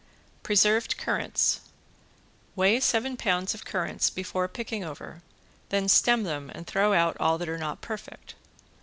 ~PRESERVED CURRANTS~ Weigh seven pounds of currants before picking over, then stem them and throw out all that are not perfect.